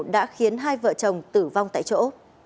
đã khiến hai vợ chồng tử vong tại chỗ